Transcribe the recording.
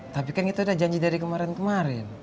tapi kan itu ada janji dari kemarin kemarin